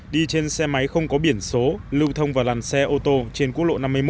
đi trên xe máy không có biển số lưu thông vào làn xe ô tô trên quốc lộ năm mươi một